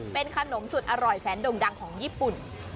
เป็นขนมสุดอร่อยแสนด่งดังของญี่ปุ่น